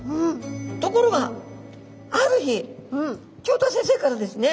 ところがある日教頭先生からですね